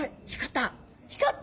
光った！